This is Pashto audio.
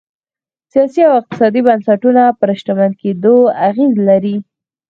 سیاسي او اقتصادي بنسټونه پر شتمن کېدو اغېز لري.